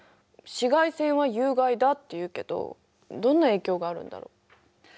紫外線は有害だっていうけどどんな影響があるんだろう？